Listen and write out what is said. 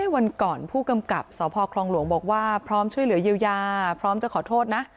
วันก่อนผู้กำกับสพคลองหลวงบอกว่าพร้อมช่วยเหลือเยียวยาพร้อมจะขอโทษนะ